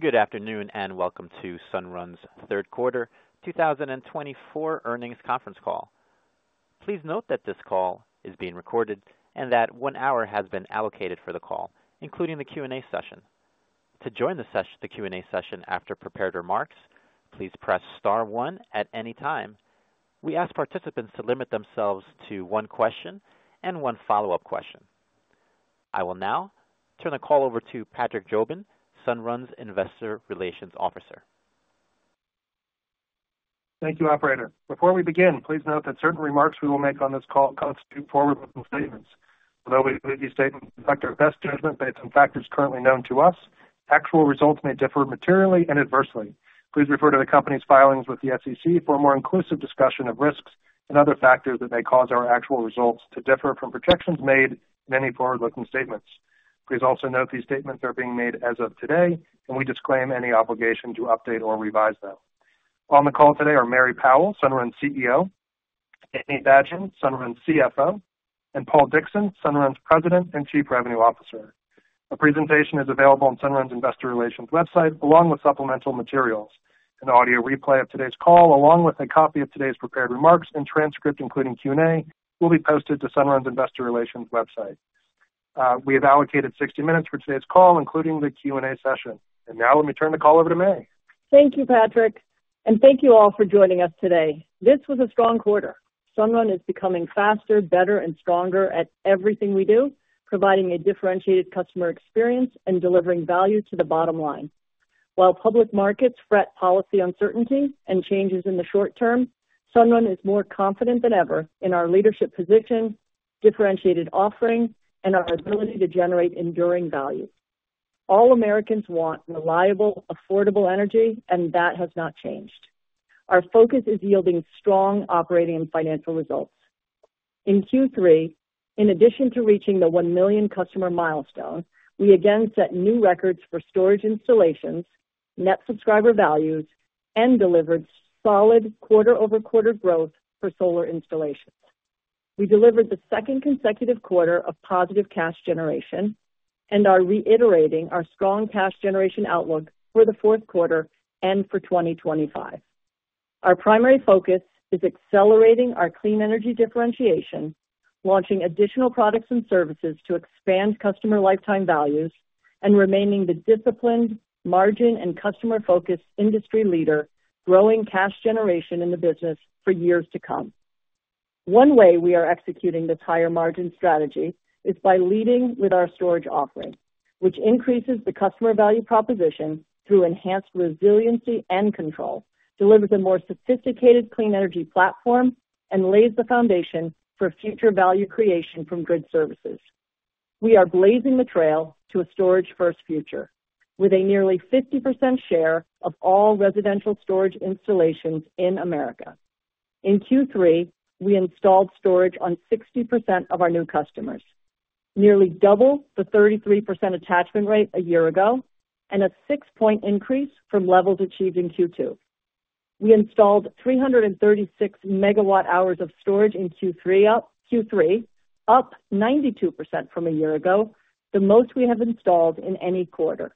Good afternoon and welcome to Sunrun's third quarter 2024 earnings conference call. Please note that this call is being recorded and that one hour has been allocated for the call, including the Q&A session. To join the Q&A session after prepared remarks, please press star one at any time. We ask participants to limit themselves to one question and one follow-up question. I will now turn the call over to Patrick Jobin, Sunrun's Investor Relations Officer. Thank you, Operator. Before we begin, please note that certain remarks we will make on this call constitute formal statements. Although we believe these statements reflect our best judgment based on factors currently known to us, actual results may differ materially and adversely. Please refer to the company's filings with the SEC for a more inclusive discussion of risks and other factors that may cause our actual results to differ from projections made in any forward-looking statements. Please also note these statements are being made as of today, and we disclaim any obligation to update or revise them. On the call today are Mary Powell, Sunrun CEO, Danny Abajian, Sunrun CFO, and Paul Dickson, Sunrun's President and Chief Revenue Officer. A presentation is available on Sunrun's Investor Relations website, along with supplemental materials. An audio replay of today's call, along with a copy of today's prepared remarks and transcript, including Q&A, will be posted to Sunrun's Investor Relations website. We have allocated 60 minutes for today's call, including the Q&A session. And now let me turn the call over to Mary. Thank you, Patrick, and thank you all for joining us today. This was a strong quarter. Sunrun is becoming faster, better, and stronger at everything we do, providing a differentiated customer experience and delivering value to the bottom line. While public markets fret policy uncertainty and changes in the short term, Sunrun is more confident than ever in our leadership position, differentiated offering, and our ability to generate enduring value. All Americans want reliable, affordable energy, and that has not changed. Our focus is yielding strong operating and financial results. In Q3, in addition to reaching the one million customer milestone, we again set new records for storage installations, net subscriber values, and delivered solid quarter-over-quarter growth for solar installations. We delivered the second consecutive quarter of positive cash generation, and are reiterating our strong cash generation outlook for the fourth quarter and for 2025. Our primary focus is accelerating our clean energy differentiation, launching additional products and services to expand customer lifetime values, and remaining the disciplined, margin, and customer-focused industry leader growing cash generation in the business for years to come. One way we are executing this higher margin strategy is by leading with our storage offering, which increases the customer value proposition through enhanced resiliency and control, delivers a more sophisticated clean energy platform, and lays the foundation for future value creation from grid services. We are blazing the trail to a storage-first future, with a nearly 50% share of all residential storage installations in America. In Q3, we installed storage on 60% of our new customers, nearly double the 33% attachment rate a year ago, and a six-point increase from levels achieved in Q2. We installed 336 MWh of storage in Q3, up 92% from a year ago, the most we have installed in any quarter.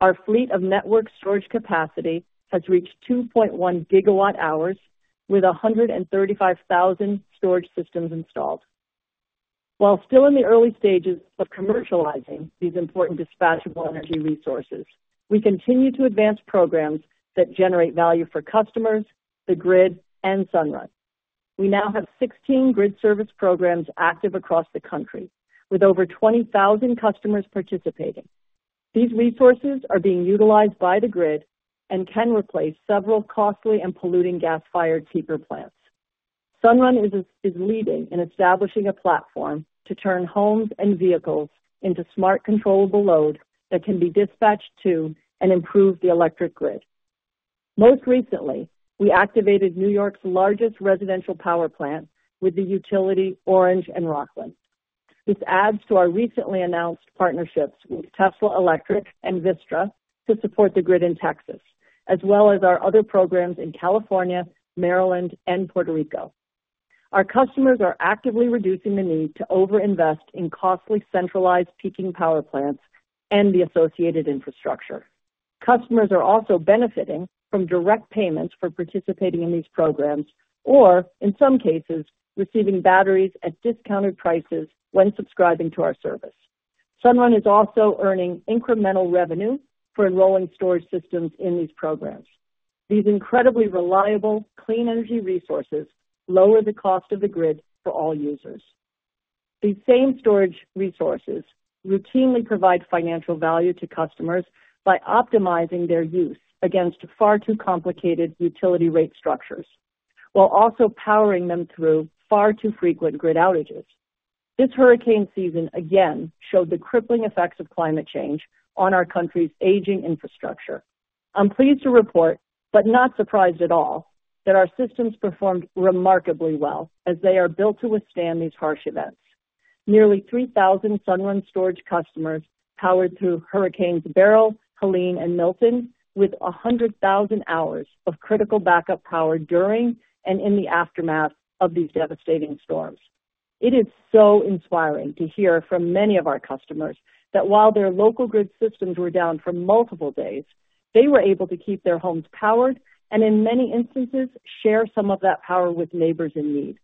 Our fleet of network storage capacity has reached 2.1 GWh, with 135,000 storage systems installed. While still in the early stages of commercializing these important dispatchable energy resources, we continue to advance programs that generate value for customers, the grid, and Sunrun. We now have 16 grid service programs active across the country, with over 20,000 customers participating. These resources are being utilized by the grid and can replace several costly and polluting gas-fired peaker plants. Sunrun is leading in establishing a platform to turn homes and vehicles into smart controllable load that can be dispatched to and improve the electric grid. Most recently, we activated New York's largest residential power plant with the utility Orange and Rockland. This adds to our recently announced partnerships with Tesla Electric and Vistra to support the grid in Texas, as well as our other programs in California, Maryland, and Puerto Rico. Our customers are actively reducing the need to over-invest in costly centralized peaker power plants and the associated infrastructure. Customers are also benefiting from direct payments for participating in these programs, or in some cases, receiving batteries at discounted prices when subscribing to our service. Sunrun is also earning incremental revenue for enrolling storage systems in these programs. These incredibly reliable clean energy resources lower the cost of the grid for all users. These same storage resources routinely provide financial value to customers by optimizing their use against far too complicated utility rate structures, while also powering them through far too frequent grid outages. This hurricane season again showed the crippling effects of climate change on our country's aging infrastructure. I'm pleased to report, but not surprised at all, that our systems performed remarkably well as they are built to withstand these harsh events. Nearly 3,000 Sunrun storage customers powered through Hurricanes Beryl, Helene, and Milton, with 100,000 hours of critical backup power during and in the aftermath of these devastating storms. It is so inspiring to hear from many of our customers that while their local grid systems were down for multiple days, they were able to keep their homes powered and, in many instances, share some of that power with neighbors in need.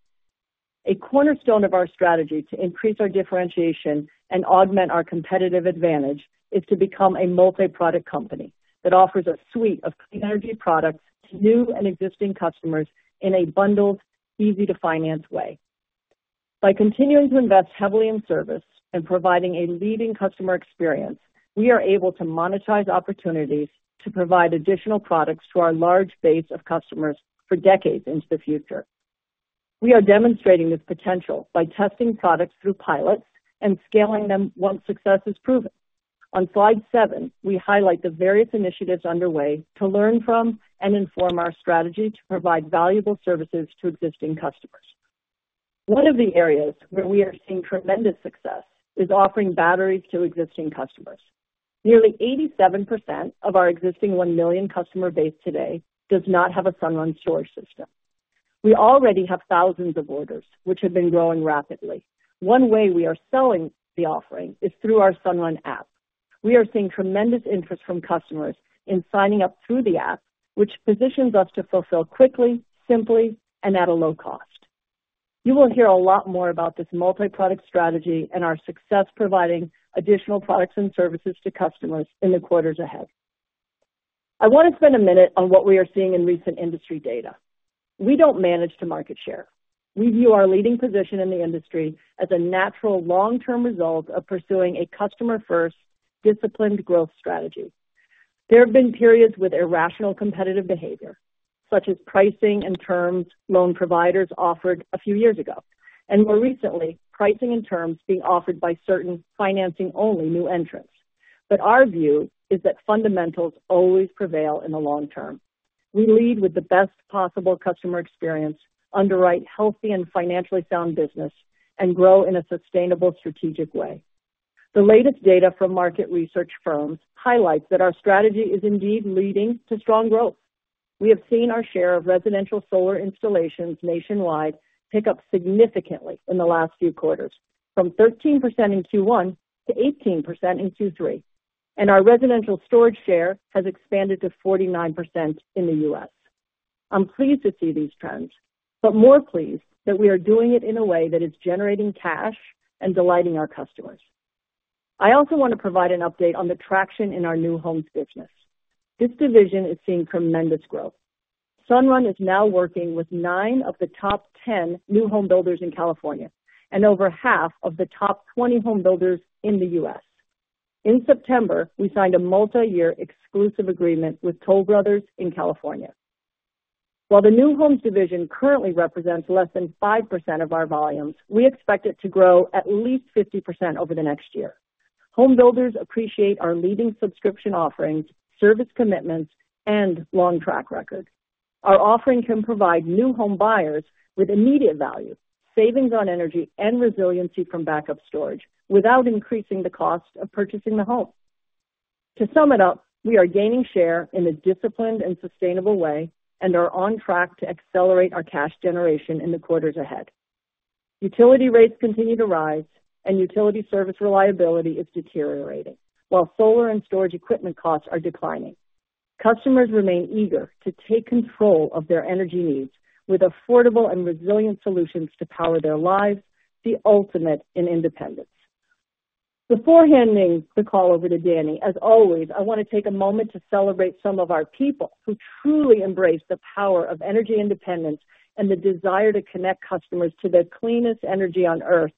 A cornerstone of our strategy to increase our differentiation and augment our competitive advantage is to become a multi-product company that offers a suite of clean energy products to new and existing customers in a bundled, easy-to-finance way. By continuing to invest heavily in service and providing a leading customer experience, we are able to monetize opportunities to provide additional products to our large base of customers for decades into the future. We are demonstrating this potential by testing products through pilots and scaling them once success is proven. On slide seven, we highlight the various initiatives underway to learn from and inform our strategy to provide valuable services to existing customers. One of the areas where we are seeing tremendous success is offering batteries to existing customers. Nearly 87% of our existing one million customer base today does not have a Sunrun storage system. We already have thousands of orders, which have been growing rapidly. One way we are selling the offering is through our Sunrun App. We are seeing tremendous interest from customers in signing up through the app, which positions us to fulfill quickly, simply, and at a low cost. You will hear a lot more about this multi-product strategy and our success providing additional products and services to customers in the quarters ahead. I want to spend a minute on what we are seeing in recent industry data. We don't manage market share. We view our leading position in the industry as a natural long-term result of pursuing a customer-first, disciplined growth strategy. There have been periods with irrational competitive behavior, such as pricing and terms that loan providers offered a few years ago, and more recently, pricing and terms being offered by certain financing-only new entrants. But our view is that fundamentals always prevail in the long term. We lead with the best possible customer experience, underwrite healthy and financially sound business, and grow in a sustainable strategic way. The latest data from market research firms highlights that our strategy is indeed leading to strong growth. We have seen our share of residential solar installations nationwide pick up significantly in the last few quarters, from 13% in Q1 to 18% in Q3, and our residential storage share has expanded to 49% in the U.S.. I'm pleased to see these trends, but more pleased that we are doing it in a way that is generating cash and delighting our customers. I also want to provide an update on the traction in our new homes business. This division is seeing tremendous growth. Sunrun is now working with nine of the top 10 new home builders in California and over half of the top 20 home builders in the U.S.. In September, we signed a multi-year exclusive agreement with Toll Brothers in California. While the new homes division currently represents less than 5% of our volumes, we expect it to grow at least 50% over the next year. Home builders appreciate our leading subscription offerings, service commitments, and long track record. Our offering can provide new home buyers with immediate value, savings on energy, and resiliency from backup storage without increasing the cost of purchasing the home. To sum it up, we are gaining share in a disciplined and sustainable way and are on track to accelerate our cash generation in the quarters ahead. Utility rates continue to rise, and utility service reliability is deteriorating, while solar and storage equipment costs are declining. Customers remain eager to take control of their energy needs with affordable and resilient solutions to power their lives, the ultimate in independence. Before handing the call over to Danny, as always, I want to take a moment to celebrate some of our people who truly embrace the power of energy independence and the desire to connect customers to the cleanest energy on earth.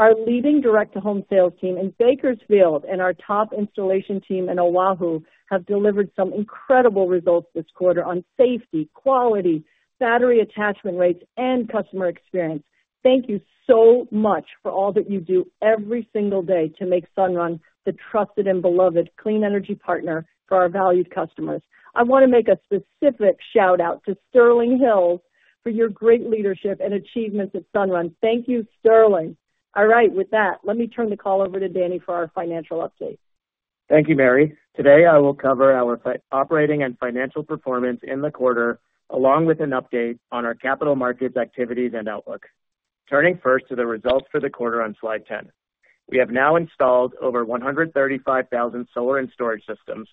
Our leading direct-to-home sales team in Bakersfield and our top installation team in Oahu have delivered some incredible results this quarter on safety, quality, battery attachment rates, and customer experience. Thank you so much for all that you do every single day to make Sunrun the trusted and beloved clean energy partner for our valued customers. I want to make a specific shout-out to Sterling Hiltz for your great leadership and achievements at Sunrun. Thank you, Sterling. All right, with that, let me turn the call over to Danny for our financial update. Thank you, Mary. Today, I will cover our operating and financial performance in the quarter, along with an update on our capital markets activities and outlook. Turning first to the results for the quarter on slide 10, we have now installed over 135,000 solar and storage systems,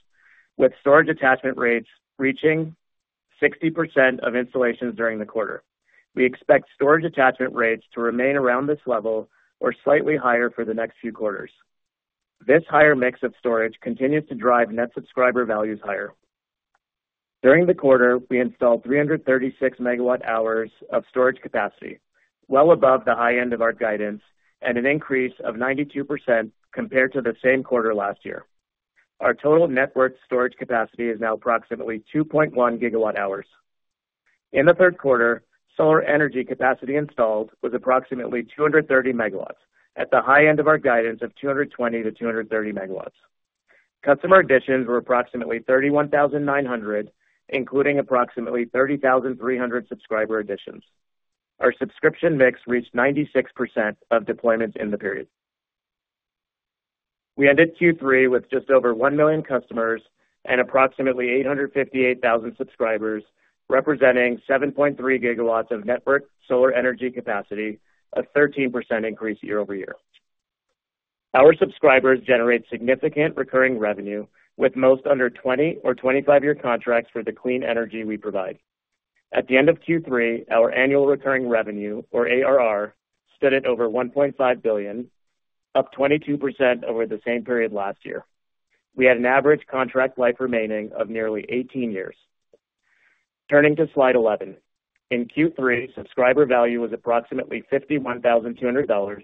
with storage attachment rates reaching 60% of installations during the quarter. We expect storage attachment rates to remain around this level or slightly higher for the next few quarters. This higher mix of storage continues to drive net subscriber values higher. During the quarter, we installed 336 MWh of storage capacity, well above the high end of our guidance and an increase of 92% compared to the same quarter last year. Our total network storage capacity is now approximately 2.1 GWh. In the third quarter, solar energy capacity installed was approximately 230 megawatts, at the high end of our guidance of 220 MW-230 MW. Customer additions were approximately 31,900, including approximately 30,300 subscriber additions. Our subscription mix reached 96% of deployments in the period. We ended Q3 with just over 1 million customers and approximately 858,000 subscribers, representing 7.3 GW of network solar energy capacity, a 13% increase year-over-year. Our subscribers generate significant recurring revenue, with most under 20 or 25-year contracts for the clean energy we provide. At the end of Q3, our annual recurring revenue, or ARR, stood at over 1.5 billion, up 22% over the same period last year. We had an average contract life remaining of nearly 18 years. Turning to slide 11, in Q3, subscriber value was approximately $51,200,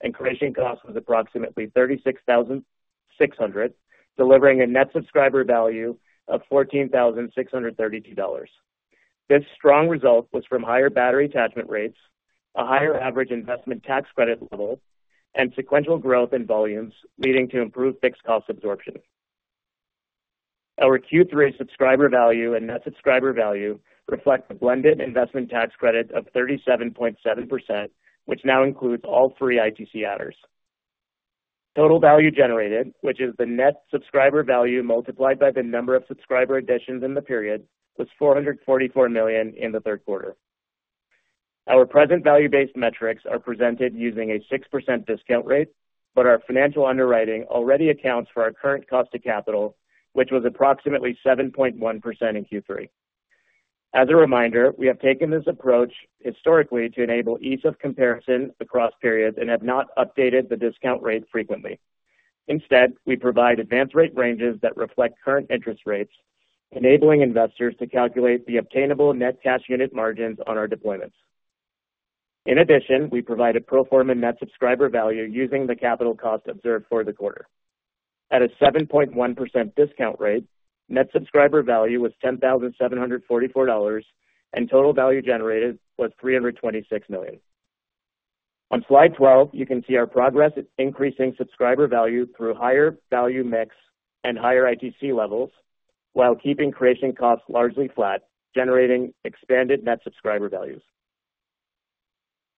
and creation cost was approximately $36,600, delivering a net subscriber value of $14,632. This strong result was from higher battery attachment rates, a higher average investment tax credit level, and sequential growth in volumes, leading to improved fixed cost absorption. Our Q3 subscriber value and net subscriber value reflect a blended investment tax credit of 37.7%, which now includes all three ITC adders. Total value generated, which is the net subscriber value multiplied by the number of subscriber additions in the period, was $444 million in the third quarter. Our present value-based metrics are presented using a 6% discount rate, but our financial underwriting already accounts for our current cost of capital, which was approximately 7.1% in Q3. As a reminder, we have taken this approach historically to enable ease of comparison across periods and have not updated the discount rate frequently. Instead, we provide advanced rate ranges that reflect current interest rates, enabling investors to calculate the obtainable net cash unit margins on our deployments. In addition, we provide a pro forma net subscriber value using the capital cost observed for the quarter. At a 7.1% discount rate, net subscriber value was $10,744, and total value generated was $326 million. On slide 12, you can see our progress in increasing subscriber value through higher value mix and higher ITC levels, while keeping creation costs largely flat, generating expanded net subscriber values.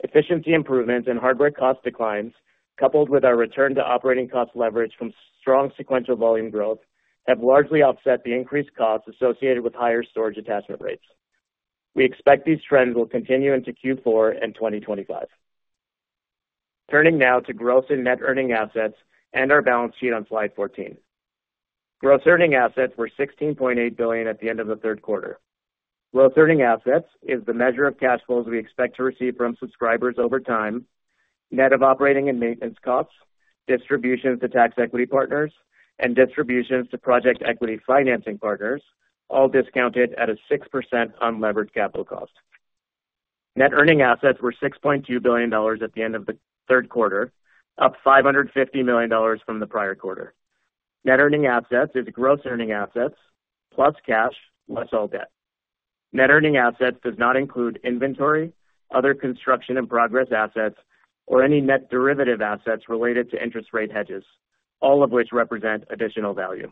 Efficiency improvements and hardware cost declines, coupled with our return to operating cost leverage from strong sequential volume growth, have largely offset the increased costs associated with higher storage attachment rates. We expect these trends will continue into Q4 and 2025. Turning now to gross and net earning assets and our balance sheet on slide 14. Gross Earning Assets were $16.8 billion at the end of the third quarter. Gross Earning Assets is the measure of cash flows we expect to receive from subscribers over time, net of operating and maintenance costs, distributions to tax equity partners, and distributions to project equity financing partners, all discounted at a 6% unleveraged capital cost. Net Earning Assets were $6.2 billion at the end of the third quarter, up $550 million from the prior quarter. Net Earning Assets is Gross Earning Assets plus cash, less all debt. Net Earning Assets does not include inventory, other construction and progress assets, or any net derivative assets related to interest rate hedges, all of which represent additional value.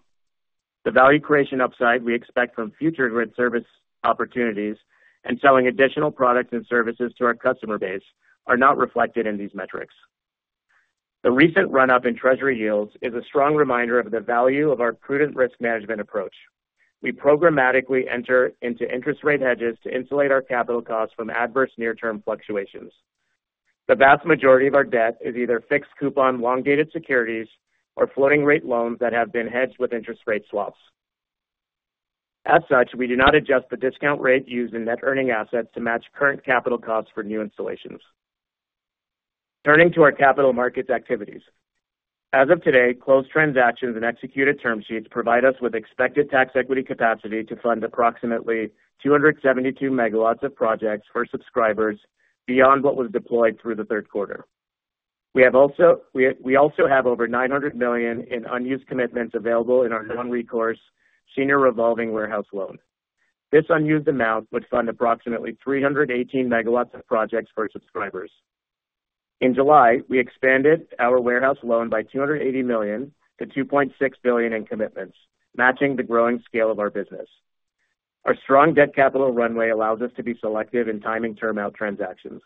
The value creation upside we expect from future grid service opportunities and selling additional products and services to our customer base are not reflected in these metrics. The recent run-up in Treasury yields is a strong reminder of the value of our prudent risk management approach. We programmatically enter into interest rate hedges to insulate our capital costs from adverse near-term fluctuations. The vast majority of our debt is either fixed coupon long-dated securities or floating rate loans that have been hedged with interest rate swaps. As such, we do not adjust the discount rate used in Net Earning Assets to match current capital costs for new installations. Turning to our capital markets activities. As of today, closed transactions and executed term sheets provide us with expected tax equity capacity to fund approximately 272 MW of projects for subscribers beyond what was deployed through the third quarter. We also have over $900 million in unused commitments available in our non-recourse senior revolving warehouse loan. This unused amount would fund approximately 318 megawatts of projects for subscribers. In July, we expanded our warehouse loan by $280 million to $2.6 billion in commitments, matching the growing scale of our business. Our strong debt capital runway allows us to be selective in timing term-out transactions.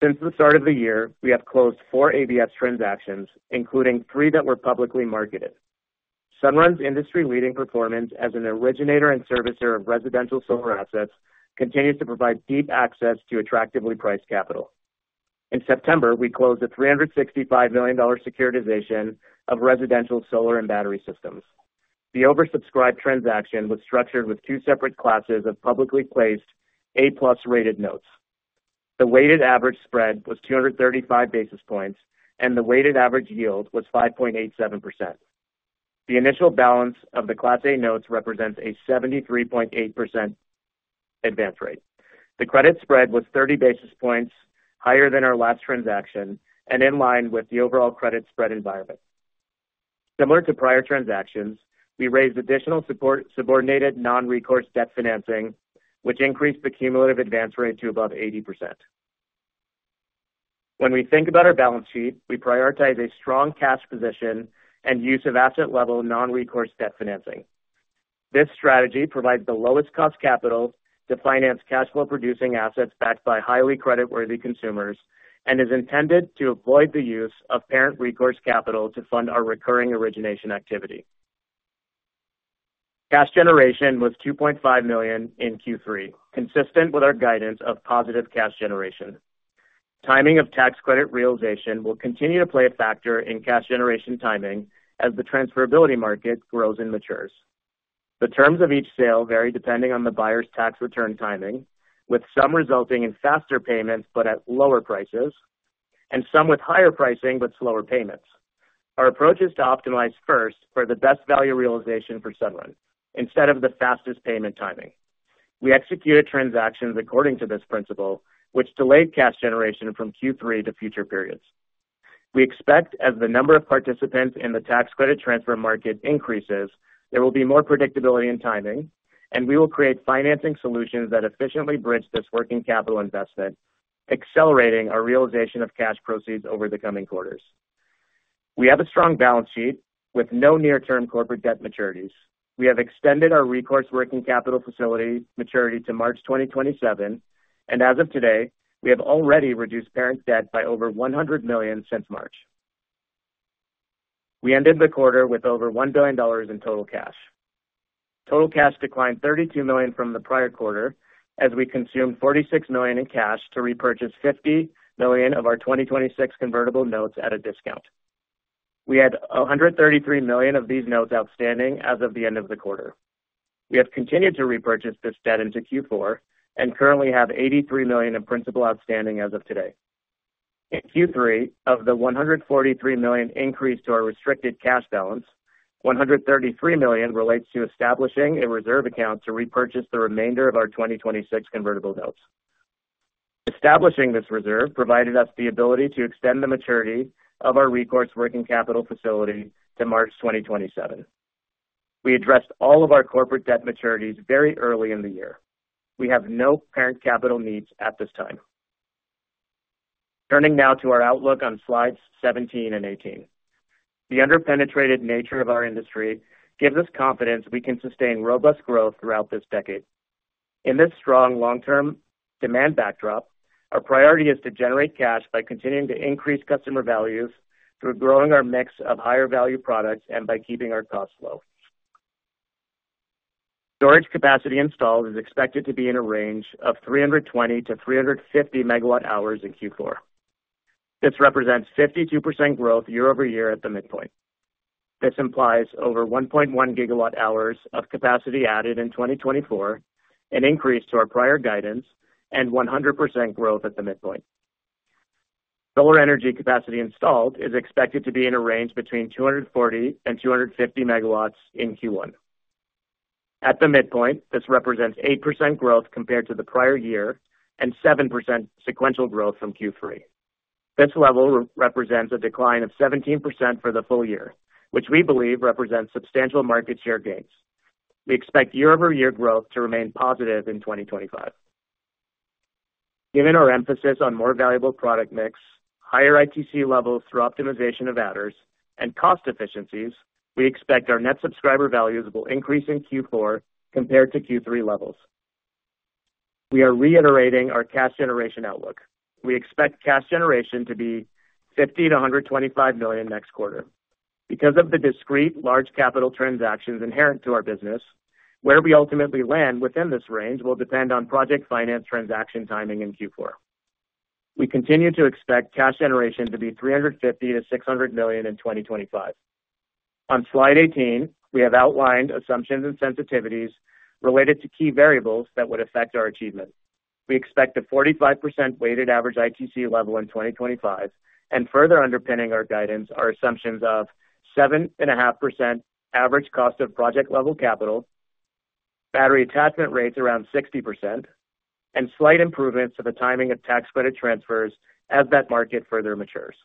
Since the start of the year, we have closed four ABS transactions, including three that were publicly marketed. Sunrun's industry-leading performance as an originator and servicer of residential solar assets continues to provide deep access to attractively priced capital. In September, we closed a $365 million securitization of residential solar and battery systems. The oversubscribed transaction was structured with two separate classes of publicly placed A-plus rated notes. The weighted average spread was 235 basis points, and the weighted average yield was 5.87%. The initial balance of the Class A notes represents a 73.8% advance rate. The credit spread was 30 basis points higher than our last transaction and in line with the overall credit spread environment. Similar to prior transactions, we raised additional support subordinated non-recourse debt financing, which increased the cumulative advance rate to above 80%. When we think about our balance sheet, we prioritize a strong cash position and use of asset-level non-recourse debt financing. This strategy provides the lowest cost capital to finance cash flow-producing assets backed by highly creditworthy consumers and is intended to avoid the use of parent recourse capital to fund our recurring origination activity. Cash generation was $2.5 million in Q3, consistent with our guidance of positive cash generation. Timing of tax credit realization will continue to play a factor in cash generation timing as the transferability market grows and matures. The terms of each sale vary depending on the buyer's tax return timing, with some resulting in faster payments but at lower prices, and some with higher pricing but slower payments. Our approach is to optimize first for the best value realization for Sunrun, instead of the fastest payment timing. We executed transactions according to this principle, which delayed cash generation from Q3 to future periods. We expect as the number of participants in the tax credit transfer market increases, there will be more predictability in timing, and we will create financing solutions that efficiently bridge this working capital investment, accelerating our realization of cash proceeds over the coming quarters. We have a strong balance sheet with no near-term corporate debt maturities. We have extended our recourse working capital facility maturity to March 2027, and as of today, we have already reduced parent debt by over $100 million since March. We ended the quarter with over $1 billion in total cash. Total cash declined $32 million from the prior quarter as we consumed $46 million in cash to repurchase $50 million of our 2026 convertible notes at a discount. We had $133 million of these notes outstanding as of the end of the quarter. We have continued to repurchase this debt into Q4 and currently have $83 million in principal outstanding as of today. In Q3, of the $143 million increased to our restricted cash balance, $133 million relates to establishing a reserve account to repurchase the remainder of our 2026 convertible notes. Establishing this reserve provided us the ability to extend the maturity of our recourse working capital facility to March 2027. We addressed all of our corporate debt maturities very early in the year. We have no parent capital needs at this time. Turning now to our outlook on slides 17 and 18. The under-penetrated nature of our industry gives us confidence we can sustain robust growth throughout this decade. In this strong long-term demand backdrop, our priority is to generate cash by continuing to increase customer values through growing our mix of higher value products and by keeping our costs low. Storage capacity installed is expected to be in a range of 320 MWh-350 MWh in Q4. This represents 52% growth year-over-year at the midpoint. This implies over 1.1 GWh of capacity added in 2024, an increase to our prior guidance, and 100% growth at the midpoint. Solar energy capacity installed is expected to be in a range between 240 MW-250 MW in Q1. At the midpoint, this represents 8% growth compared to the prior year and 7% sequential growth from Q3. This level represents a decline of 17% for the full year, which we believe represents substantial market share gains. We expect year-over-year growth to remain positive in 2025. Given our emphasis on more valuable product mix, higher ITC levels through optimization of adders, and cost efficiencies, we expect our net subscriber values will increase in Q4 compared to Q3 levels. We are reiterating our cash generation outlook. We expect cash generation to be $50 million-$125 million next quarter. Because of the discrete large capital transactions inherent to our business, where we ultimately land within this range will depend on project finance transaction timing in Q4. We continue to expect cash generation to be $350-$600 million in 2025. On slide 18, we have outlined assumptions and sensitivities related to key variables that would affect our achievement. We expect a 45% weighted average ITC level in 2025, and further underpinning our guidance are assumptions of 7.5% average cost of project-level capital, battery attachment rates around 60%, and slight improvements to the timing of tax credit transfers as that market further matures.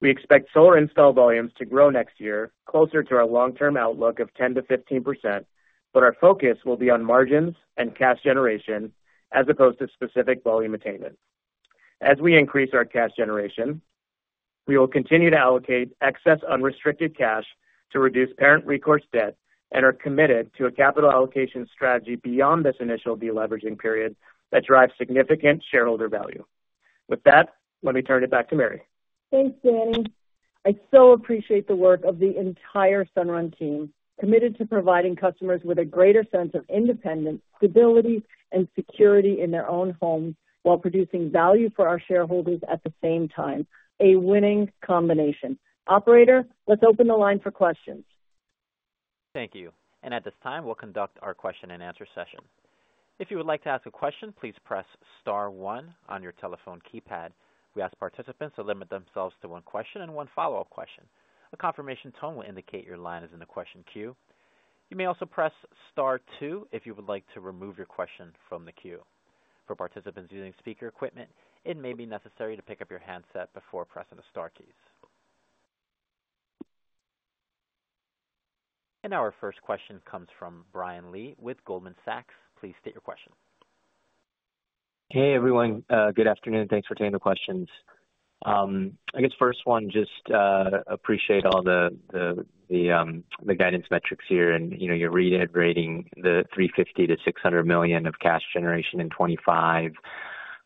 We expect solar install volumes to grow next year, closer to our long-term outlook of 10%-15%, but our focus will be on margins and cash generation as opposed to specific volume attainment. As we increase our cash generation, we will continue to allocate excess unrestricted cash to reduce parent recourse debt and are committed to a capital allocation strategy beyond this initial deleveraging period that drives significant shareholder value. With that, let me turn it back to Mary. Thanks, Danny. I so appreciate the work of the entire Sunrun team, committed to providing customers with a greater sense of independence, stability, and security in their own homes while producing value for our shareholders at the same time. A winning combination. Operator, let's open the line for questions. Thank you, and at this time, we'll conduct our question and answer session. If you would like to ask a question, please press star one on your telephone keypad. We ask participants to limit themselves to one question and one follow-up question. A confirmation tone will indicate your line is in the question queue. You may also press star two if you would like to remove your question from the queue. For participants using speaker equipment, it may be necessary to pick up your handset before pressing the star keys, and our first question comes from Brian Lee with Goldman Sachs. Please state your question. Hey, everyone. Good afternoon. Thanks for taking the questions. I guess first one, just appreciate all the guidance metrics here and your reiterating the $350 million-$600 million of cash generation in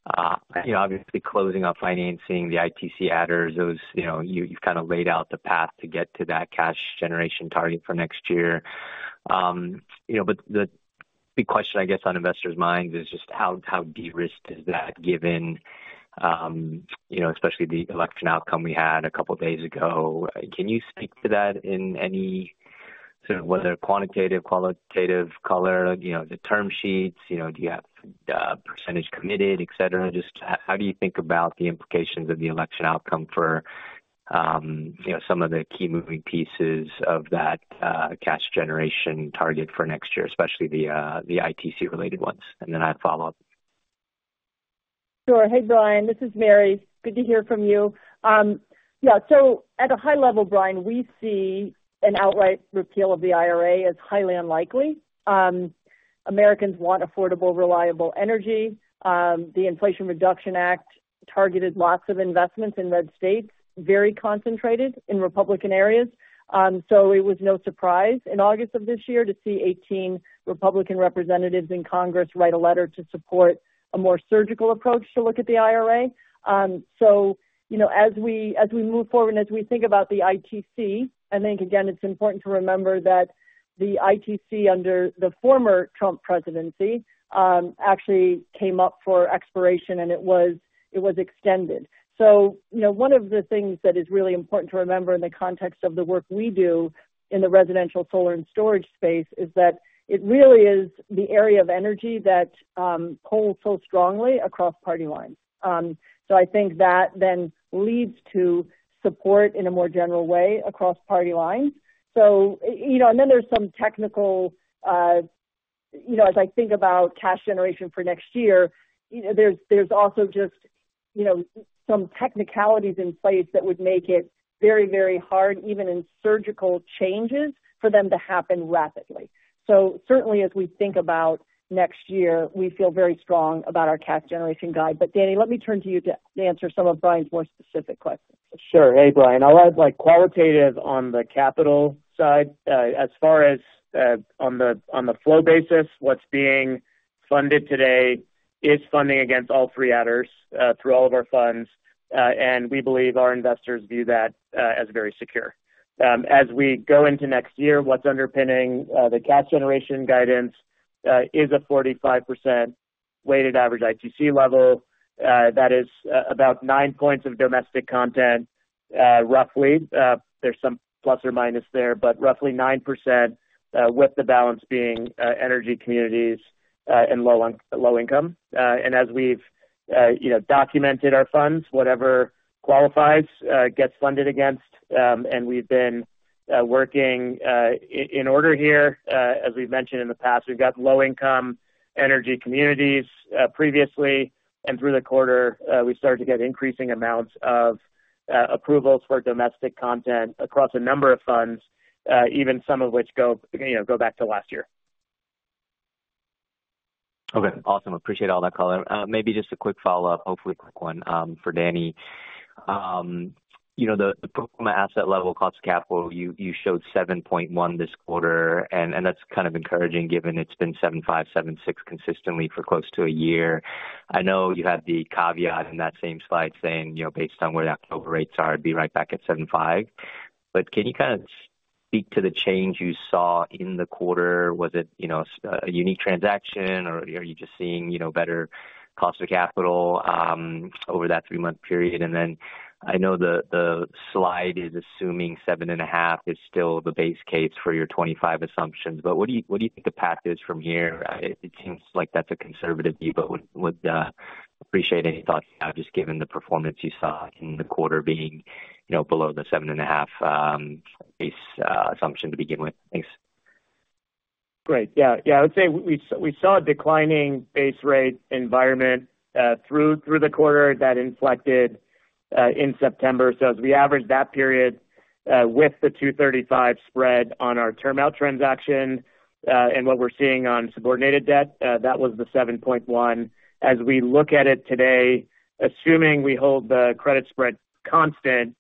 2025. Obviously, closing off financing, the ITC adders, you've kind of laid out the path to get to that cash generation target for next year. But the big question, I guess, on investors' minds is just how de-risked is that given, especially the election outcome we had a couple of days ago? Can you speak to that in any sort of whether quantitative, qualitative, color of the term sheets? Do you have percentage committed, etc.? Just how do you think about the implications of the election outcome for some of the key moving pieces of that cash generation target for next year, especially the ITC-related ones? And then I have follow-up. Sure. Hey, Brian. This is Mary. Good to hear from you. Yeah. So at a high level, Brian, we see an outright repeal of the IRA as highly unlikely. Americans want affordable, reliable energy. The Inflation Reduction Act targeted lots of investments in red states, very concentrated in Republican areas. So it was no surprise in August of this year to see 18 Republican representatives in Congress write a letter to support a more surgical approach to look at the IRA. So as we move forward and as we think about the ITC, I think, again, it's important to remember that the ITC under the former Trump presidency actually came up for expiration, and it was extended. So one of the things that is really important to remember in the context of the work we do in the residential solar and storage space is that it really is the area of energy that pulls so strongly across party lines. So I think that then leads to support in a more general way across party lines. And then there's some technical, as I think about cash generation for next year, there's also just some technicalities in place that would make it very, very hard, even in surgical changes, for them to happen rapidly. So certainly, as we think about next year, we feel very strong about our cash generation guide. But Danny, let me turn to you to answer some of Brian's more specific questions. Sure. Hey, Brian. I'll add qualitative on the capital side. As far as on the flow basis, what's being funded today is funding against all three adders through all of our funds, and we believe our investors view that as very secure. As we go into next year, what's underpinning the cash generation guidance is a 45% weighted average ITC level. That is about nine points of domestic content, roughly. There's some plus or minus there, but roughly 9% with the balance being energy communities and low income. And as we've documented our funds, whatever qualifies gets funded against. And we've been working in order here. As we've mentioned in the past, we've got low-income energy communities previously. And through the quarter, we started to get increasing amounts of approvals for domestic content across a number of funds, even some of which go back to last year. Okay. Awesome. Appreciate all that color. Maybe just a quick follow-up, hopefully quick one for Danny. The pro forma asset level cost capital, you showed 7.1% this quarter, and that's kind of encouraging given it's been 7.5%, 7.6% consistently for close to a year. I know you had the caveat in that same slide saying based on where the October rates are, it'd be right back at 7.5%. But can you kind of speak to the change you saw in the quarter? Was it a unique transaction, or are you just seeing better cost of capital over that three-month period? And then I know the slide is assuming 7.5% is still the base case for your 2025 assumptions, but what do you think the path is from here? It seems like that's a conservative view, but would appreciate any thoughts you have just given the performance you saw in the quarter being below the 7.5% base assumption to begin with. Thanks. Great. Yeah. Yeah. I would say we saw a declining base rate environment through the quarter that inflected in September. So as we averaged that period with the 235 spread on our term out transaction and what we're seeing on subordinated debt, that was the 7.1%. As we look at it today, assuming we hold the credit spread constant,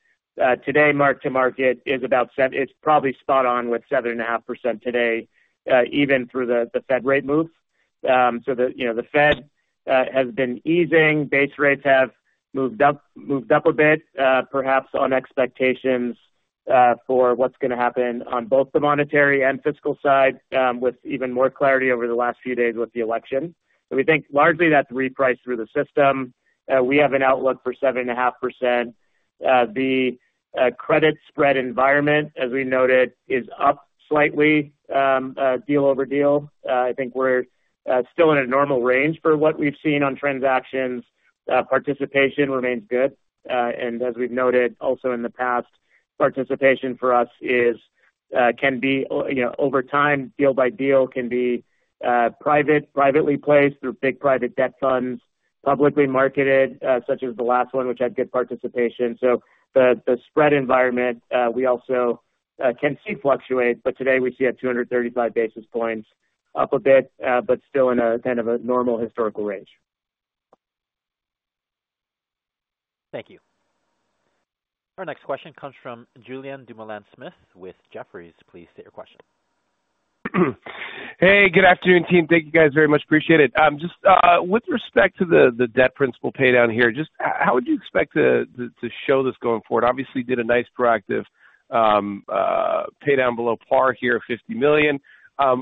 today marked to market is about. It's probably spot on with 7.5% today, even through the Fed rate moves. So the Fed has been easing. Base rates have moved up a bit, perhaps on expectations for what's going to happen on both the monetary and fiscal side with even more clarity over the last few days with the election. So we think largely that's repriced through the system. We have an outlook for 7.5%. The credit spread environment, as we noted, is up slightly, deal over deal. I think we're still in a normal range for what we've seen on transactions. Participation remains good. And as we've noted also in the past, participation for us can be, over time, deal by deal can be privately placed through big private debt funds, publicly marketed, such as the last one, which had good participation. So the spread environment, we also can see fluctuate, but today we see a 235 basis points up a bit, but still in a kind of a normal historical range. Thank you. Our next question comes from Julian Dumoulin-Smith with Jefferies. Please state your question. Hey, good afternoon, team. Thank you guys very much. Appreciate it. Just with respect to the debt principal paydown here, just how would you expect to show this going forward? Obviously, did a nice proactive paydown below par here of $50 million,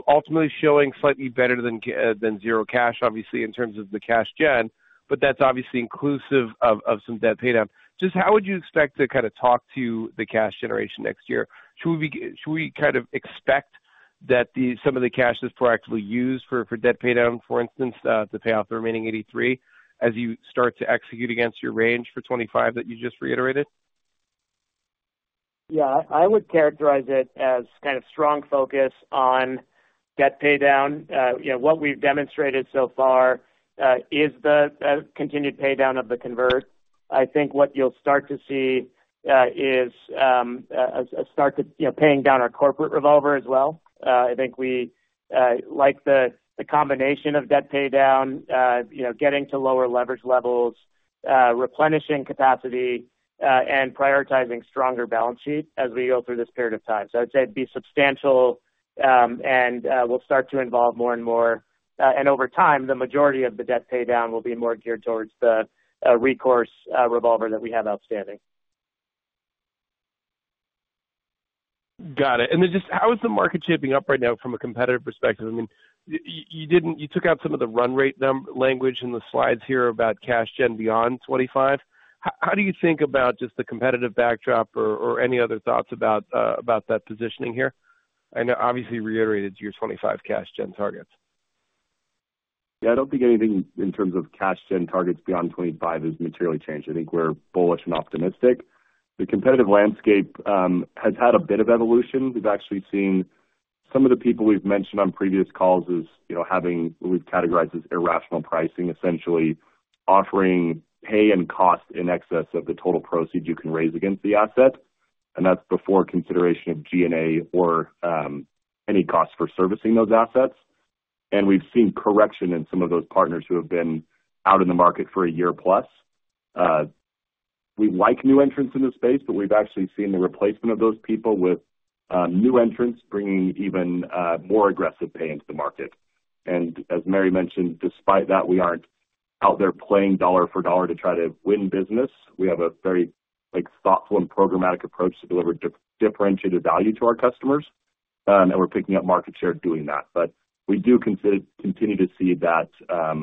ultimately showing slightly better than zero cash, obviously, in terms of the cash gen, but that's obviously inclusive of some debt paydown. Just how would you expect to kind of talk to the cash generation next year? Should we kind of expect that some of the cash is proactively used for debt paydown, for instance, to pay off the remaining $83 million as you start to execute against your range for 2025 that you just reiterated? Yeah. I would characterize it as kind of strong focus on debt paydown. What we've demonstrated so far is the continued paydown of the convert. I think what you'll start to see is a start to paying down our corporate revolver as well. I think we like the combination of debt paydown, getting to lower leverage levels, replenishing capacity, and prioritizing stronger balance sheet as we go through this period of time. So I'd say it'd be substantial, and we'll start to involve more and more. And over time, the majority of the debt paydown will be more geared towards the recourse revolver that we have outstanding. Got it. And then just how is the market shaping up right now from a competitive perspective? I mean, you took out some of the run rate language in the slides here about cash gen beyond 2025. How do you think about just the competitive backdrop or any other thoughts about that positioning here? And obviously, reiterated your 2025 cash gen targets. Yeah. I don't think anything in terms of cash gen targets beyond 2025 is materially changed. I think we're bullish and optimistic. The competitive landscape has had a bit of evolution. We've actually seen some of the people we've mentioned on previous calls having what we've categorized as irrational pricing, essentially offering pay and cost in excess of the total proceeds you can raise against the asset. And that's before consideration of G&A or any cost for servicing those assets. And we've seen correction in some of those partners who have been out in the market for a year plus. We like new entrants in the space, but we've actually seen the replacement of those people with new entrants bringing even more aggressive pay into the market. And as Mary mentioned, despite that, we aren't out there playing dollar for dollar to try to win business. We have a very thoughtful and programmatic approach to deliver differentiated value to our customers. And we're picking up market share doing that. But we do continue to see that, I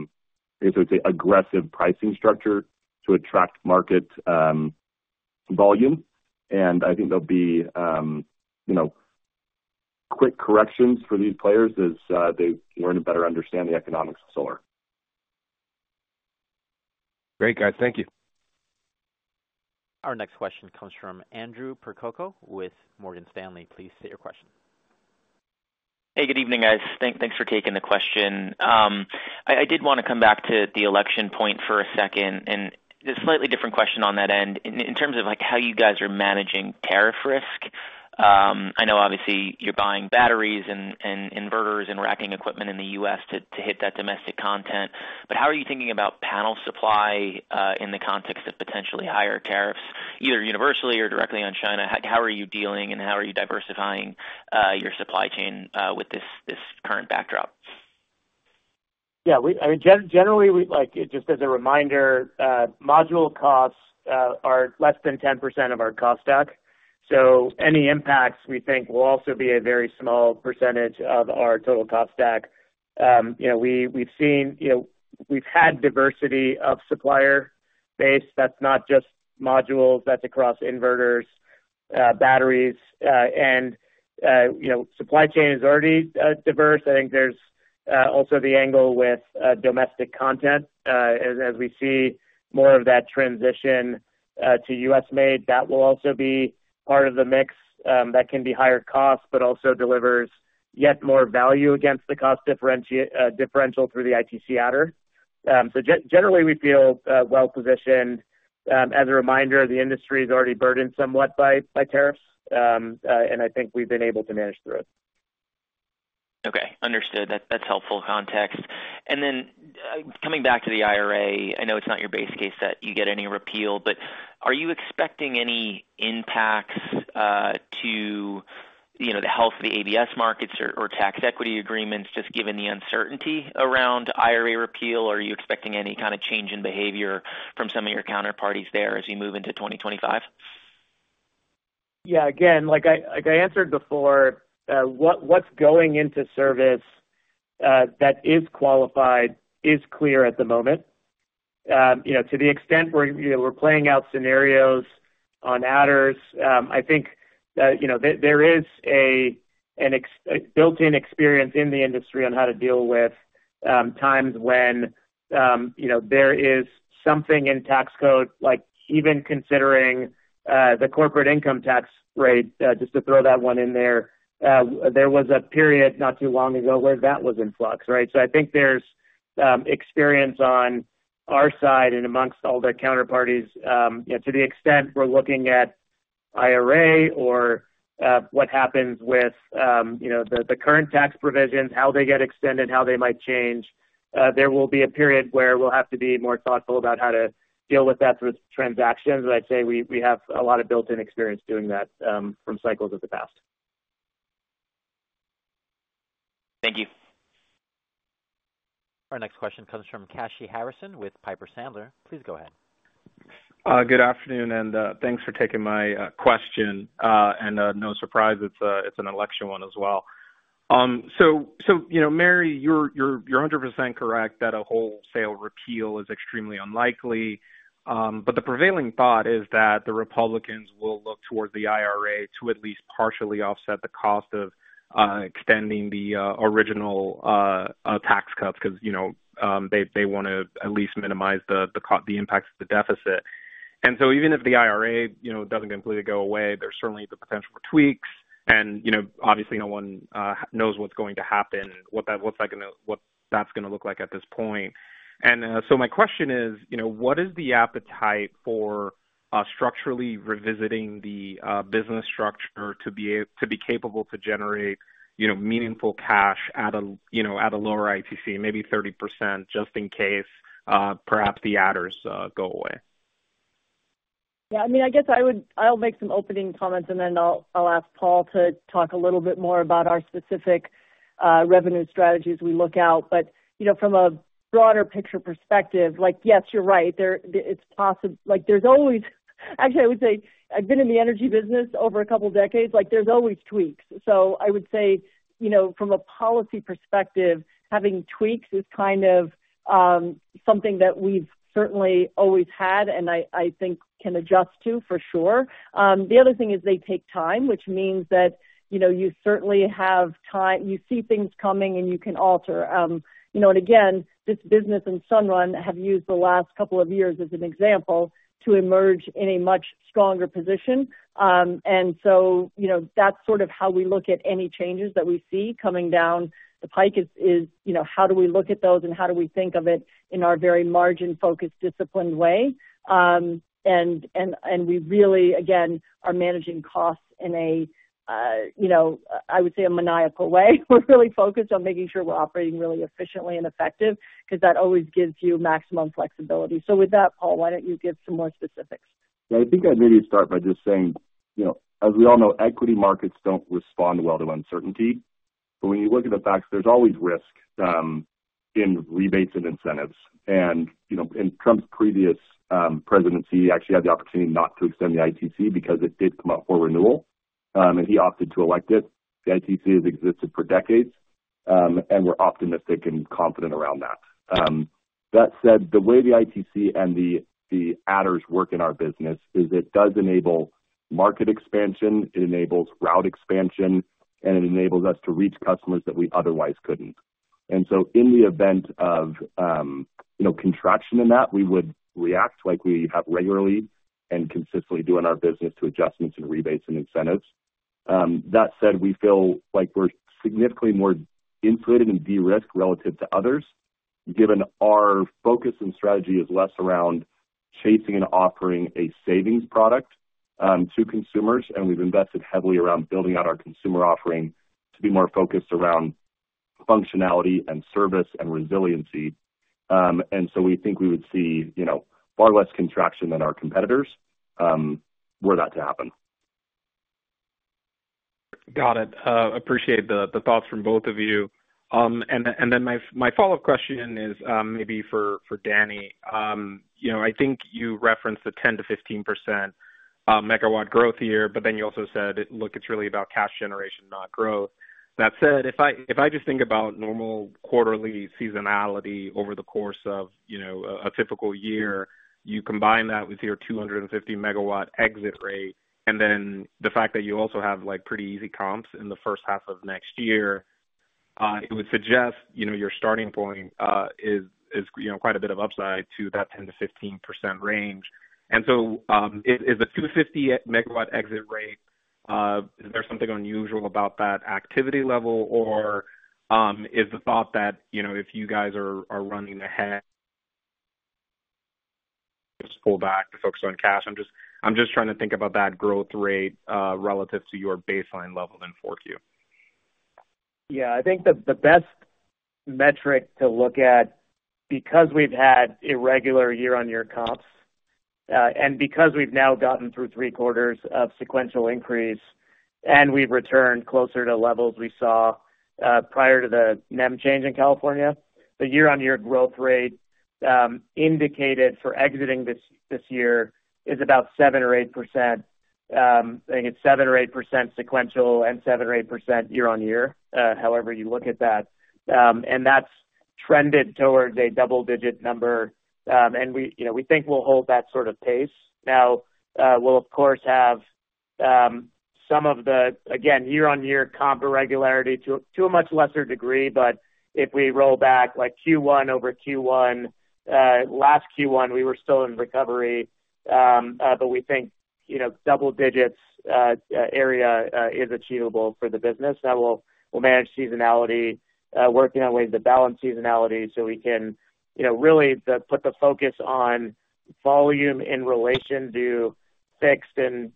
guess I would say, aggressive pricing structure to attract market volume. And I think there'll be quick corrections for these players as they learn to better understand the economics of solar. Great. Guys, thank you. Our next question comes from Andrew Percoco with Morgan Stanley. Please state your question. Hey, good evening, guys. Thanks for taking the question. I did want to come back to the election point for a second and a slightly different question on that end in terms of how you guys are managing tariff risk. I know, obviously, you're buying batteries and inverters and racking equipment in the U.S. to hit that domestic content. But how are you thinking about panel supply in the context of potentially higher tariffs, either universally or directly on China? How are you dealing, and how are you diversifying your supply chain with this current backdrop? Yeah. I mean, generally, just as a reminder, module costs are less than 10% of our cost stack. So any impacts we think will also be a very small percentage of our total cost stack. We've had diversity of supplier base. That's not just modules. That's across inverters, batteries. And supply chain is already diverse. I think there's also the angle with domestic content. As we see more of that transition to U.S.-made, that will also be part of the mix that can be higher cost, but also delivers yet more value against the cost differential through the ITC adder. So generally, we feel well-positioned. As a reminder, the industry is already burdened somewhat by tariffs, and I think we've been able to manage through it. Okay. Understood. That's helpful context, and then coming back to the IRA, I know it's not your base case that you get any repeal, but are you expecting any impacts to the health of the ABS markets or tax equity agreements just given the uncertainty around IRA repeal? Are you expecting any kind of change in behavior from some of your counterparties there as we move into 2025? Yeah. Again, like I answered before, what's going into service that is qualified is clear at the moment. To the extent we're playing out scenarios on adders, I think there is a built-in experience in the industry on how to deal with times when there is something in tax code, like even considering the corporate income tax rate, just to throw that one in there. There was a period not too long ago where that was in flux, right? So I think there's experience on our side and amongst all the counterparties to the extent we're looking at IRA or what happens with the current tax provisions, how they get extended, how they might change. There will be a period where we'll have to be more thoughtful about how to deal with that through transactions. But I'd say we have a lot of built-in experience doing that from cycles of the past. Thank you. Our next question comes from Kashy Harrison with Piper Sandler. Please go ahead. Good afternoon, and thanks for taking my question. And no surprise, it's an election one as well. So Mary, you're 100% correct that a wholesale repeal is extremely unlikely. But the prevailing thought is that the Republicans will look towards the IRA to at least partially offset the cost of extending the original tax cuts because they want to at least minimize the impact of the deficit. And so even if the IRA doesn't completely go away, there's certainly the potential for tweaks. And obviously, no one knows what's going to happen, what that's going to look like at this point. And so my question is, what is the appetite for structurally revisiting the business structure to be capable to generate meaningful cash at a lower ITC, maybe 30%, just in case perhaps the adders go away? Yeah. I mean, I guess I'll make some opening comments, and then I'll ask Paul to talk a little bit more about our specific revenue strategies we look out. But from a broader picture perspective, yes, you're right. There's always, actually, I would say I've been in the energy business over a couple of decades. There's always tweaks. So I would say from a policy perspective, having tweaks is kind of something that we've certainly always had and I think can adjust to for sure. The other thing is they take time, which means that you certainly have time. You see things coming, and you can alter. And again, this business and Sunrun have used the last couple of years as an example to emerge in a much stronger position. So that's sort of how we look at any changes that we see coming down the pike: how do we look at those and how do we think of it in our very margin-focused, disciplined way. We really, again, are managing costs in a, I would say, a maniacal way. We're really focused on making sure we're operating really efficiently and effective because that always gives you maximum flexibility. So with that, Paul, why don't you give some more specifics? Yeah. I think I'd maybe start by just saying, as we all know, equity markets don't respond well to uncertainty. But when you look at the facts, there's always risk in rebates and incentives. And in Trump's previous presidency, he actually had the opportunity not to extend the ITC because it did come up for renewal, and he opted to elect it. The ITC has existed for decades, and we're optimistic and confident around that. That said, the way the ITC and the adders work in our business is it does enable market expansion, it enables rooftop expansion, and it enables us to reach customers that we otherwise couldn't. And so in the event of contraction in that, we would react like we have regularly and consistently do in our business to adjustments and rebates and incentives. That said, we feel like we're significantly more insulated and de-risked relative to others, given our focus and strategy is less around chasing and offering a savings product to consumers. And we've invested heavily around building out our consumer offering to be more focused around functionality and service and resiliency. And so we think we would see far less contraction than our competitors were that to happen. Got it. appreciate the thoughts from both of you. Then my follow-up question is maybe for Danny. I think you referenced the 10%-15% megawatt growth here, but then you also said, "Look, it's really about cash generation, not growth." That said, if I just think about normal quarterly seasonality over the course of a typical year, you combine that with your 250 MW exit rate, and then the fact that you also have pretty easy comps in the first half of next year, it would suggest your starting point is quite a bit of upside to that 10%-15% range. So, is the 250 MW exit rate, is there something unusual about that activity level, or is the thought that if you guys are running ahead? Just pull back to focus on cash. I'm just trying to think about that growth rate relative to your baseline level in 4Q. Yeah. I think the best metric to look at, because we've had irregular year-on-year comps and because we've now gotten through three quarters of sequential increase and we've returned closer to levels we saw prior to the NEM change in California, the year-on-year growth rate indicated for exiting this year is about 7% or 8%. I think it's 7% or 8% sequential and 7% or 8% year-on-year, however you look at that. And that's trended towards a double-digit number. And we think we'll hold that sort of pace. Now, we'll, of course, have some of the, again, year-on-year comp irregularity to a much lesser degree. But if we roll back Q1 over Q1, last Q1, we were still in recovery. But we think double-digits area is achievable for the business. Now, we'll manage seasonality, working on ways to balance seasonality so we can really put the focus on volume in relation to fixed and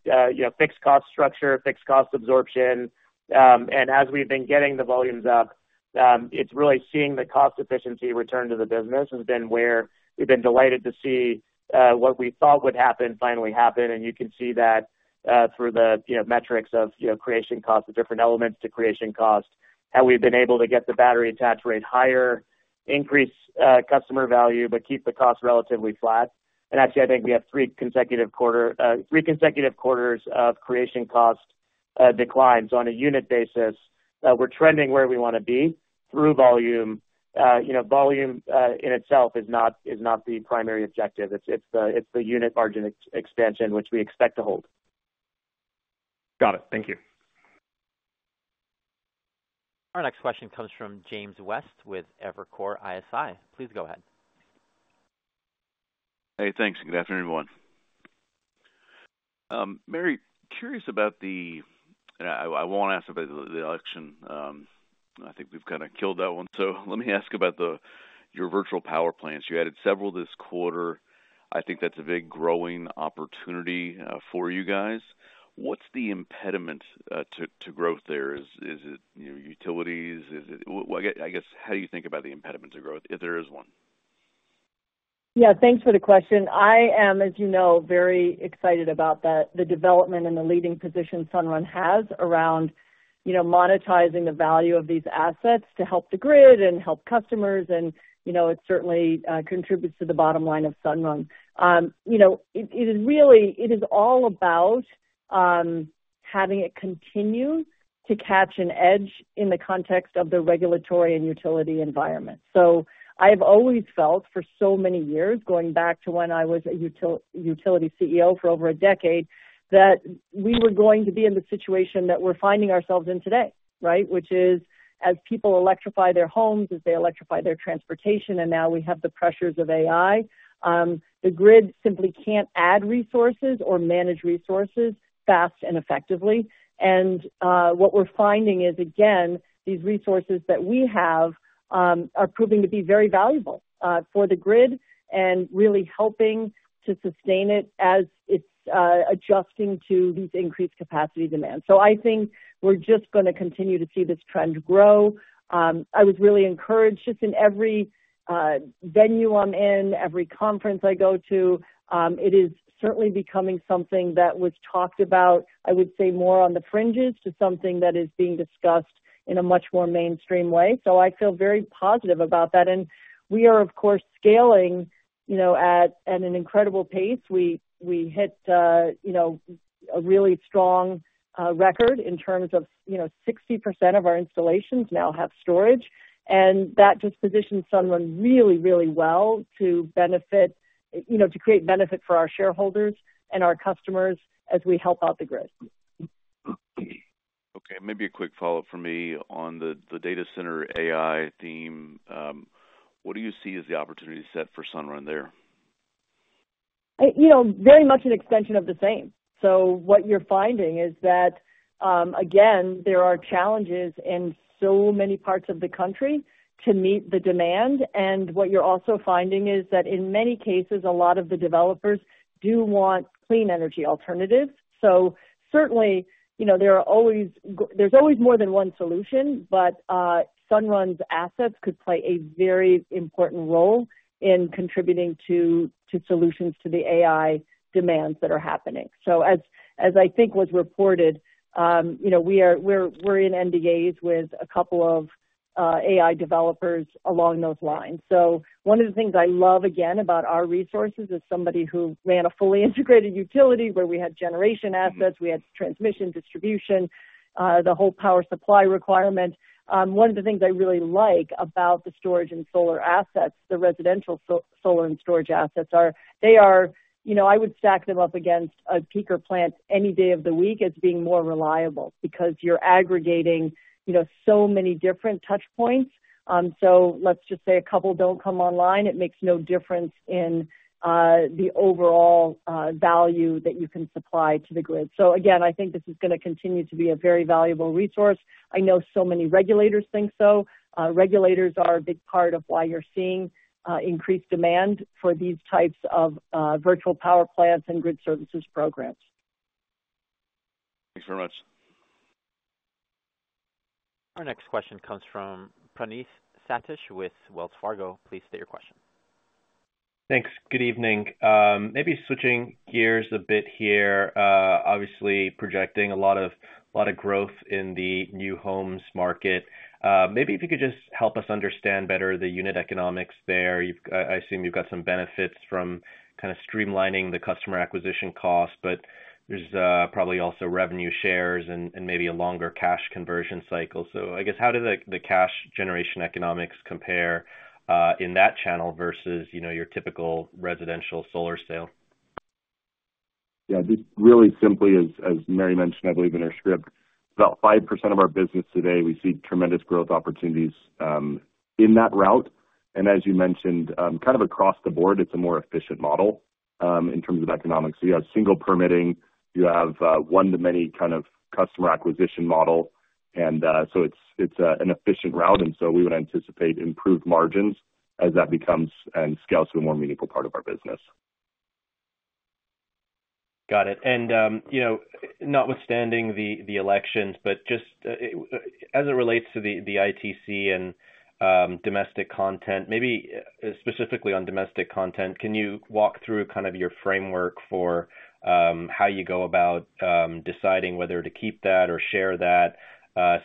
fixed cost structure, fixed cost absorption. And as we've been getting the volumes up, it's really seeing the cost efficiency return to the business has been where we've been delighted to see what we thought would happen finally happen. And you can see that through the metrics of creation cost, the different elements to creation cost, how we've been able to get the battery attach rate higher, increase customer value, but keep the cost relatively flat. And actually, I think we have three consecutive quarters of creation cost declines on a unit basis. We're trending where we want to be through volume. Volume in itself is not the primary objective. It's the unit margin expansion, which we expect to hold. Got it. Thank you. Our next question comes from James West with Evercore ISI. Please go ahead. Hey, thanks. Good afternoon, everyone. Mary, curious about the, and I won't ask about the election. I think we've kind of killed that one. So let me ask about your virtual power plants. You added several this quarter. I think that's a big growing opportunity for you guys. What's the impediment to growth there? Is it utilities? I guess, how do you think about the impediment to growth, if there is one? Yeah. Thanks for the question. I am, as you know, very excited about the development and the leading position Sunrun has around monetizing the value of these assets to help the grid and help customers. And it certainly contributes to the bottom line of Sunrun. It is all about having it continue to catch an edge in the context of the regulatory and utility environment. So I have always felt for so many years, going back to when I was a utility CEO for over a decade, that we were going to be in the situation that we're finding ourselves in today, right, which is as people electrify their homes, as they electrify their transportation, and now we have the pressures of AI, the grid simply can't add resources or manage resources fast and effectively. And what we're finding is, again, these resources that we have are proving to be very valuable for the grid and really helping to sustain it as it's adjusting to these increased capacity demands. So I think we're just going to continue to see this trend grow. I was really encouraged just in every venue I'm in, every conference I go to. It is certainly becoming something that was talked about, I would say, more on the fringes to something that is being discussed in a much more mainstream way. So I feel very positive about that. And we are, of course, scaling at an incredible pace. We hit a really strong record in terms of 60% of our installations now have storage. And that just positions Sunrun really, really well to create benefit for our shareholders and our customers as we help out the grid. Okay. Maybe a quick follow-up from me on the data center AI theme. What do you see as the opportunity set for Sunrun there? Very much an extension of the same. So what you're finding is that, again, there are challenges in so many parts of the country to meet the demand. And what you're also finding is that in many cases, a lot of the developers do want clean energy alternatives. So certainly, there's always more than one solution, but Sunrun's assets could play a very important role in contributing to solutions to the AI demands that are happening. So as I think was reported, we're in NDAs with a couple of AI developers along those lines. So one of the things I love, again, about our resources is somebody who ran a fully integrated utility where we had generation assets, we had transmission distribution, the whole power supply requirement. One of the things I really like about the storage and solar assets, the residential solar and storage assets, they are, I would stack them up against a peaker plant any day of the week as being more reliable because you're aggregating so many different touch points. So let's just say a couple don't come online. It makes no difference in the overall value that you can supply to the grid. So again, I think this is going to continue to be a very valuable resource. I know so many regulators think so. Regulators are a big part of why you're seeing increased demand for these types of virtual power plants and grid services programs. Thanks very much. Our next question comes from Praneeth Satish with Wells Fargo. Please state your question. Thanks. Good evening. Maybe switching gears a bit here, obviously projecting a lot of growth in the new homes market. Maybe if you could just help us understand better the unit economics there. I assume you've got some benefits from kind of streamlining the customer acquisition cost, but there's probably also revenue shares and maybe a longer cash conversion cycle. So I guess, how do the cash generation economics compare in that channel versus your typical residential solar sale? Yeah. Just really simply, as Mary mentioned, I believe in her script, about 5% of our business today, we see tremendous growth opportunities in that route. And as you mentioned, kind of across the board, it is a more efficient model in terms of economics. So you have single permitting, you have one-to-many kind of customer acquisition model. And so it is an efficient route. And so we would anticipate improved margins as that becomes and scales to a more meaningful part of our business. Got it. And notwithstanding the elections, but just as it relates to the ITC and domestic content, maybe specifically on domestic content, can you walk through kind of your framework for how you go about deciding whether to keep that or share that?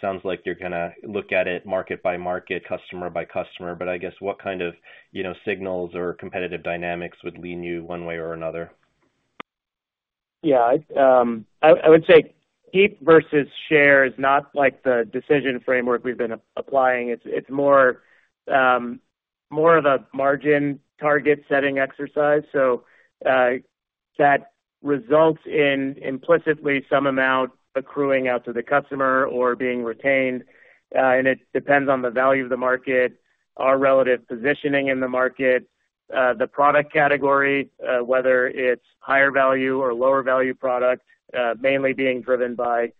Sounds like you're going to look at it market by market, customer by customer. But I guess, what kind of signals or competitive dynamics would lean you one way or another? Yeah. I would say keep versus share is not the decision framework we've been applying. It's more of a margin target-setting exercise. So that results in implicitly some amount accruing out to the customer or being retained. And it depends on the value of the market, our relative positioning in the market, the product category, whether it's higher value or lower value product, mainly being driven by